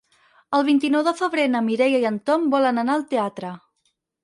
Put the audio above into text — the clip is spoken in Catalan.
El vint-i-nou de febrer na Mireia i en Tom volen anar al teatre.